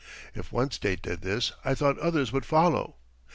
If one State did this I thought others would follow.